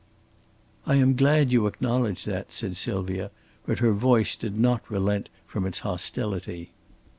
"I am glad you acknowledge that," said Sylvia, but her voice did not relent from its hostility.